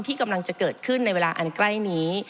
ที่กำลังจะเกิดขึ้นในเวลาอันใกล้นี้